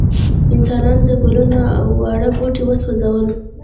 انسانانو ځنګلونه او واړه بوټي وسوځول.